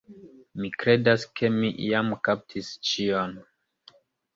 Mi kredas ke mi jam kaptis ĉion.